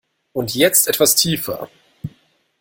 Und jetzt etwas tiefer!